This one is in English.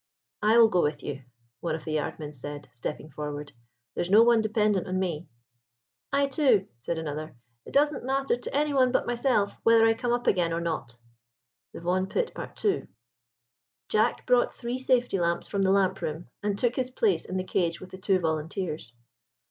"I will go with you," one of the yard men said, stepping forward; "there's no one dependent on me." "I, too," said another; "it doesn't matter to any one but myself whether I come up again or not." THE VAUGHAN PIT.—II. Jack brought three safety lamps from the lamp room, and took his place in the cage with the two volunteers.